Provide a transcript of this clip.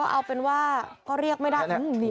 เอาเป็นว่าก็เรียกไม่ได้